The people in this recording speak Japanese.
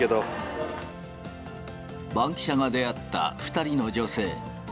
バンキシャが出会った２人の女性。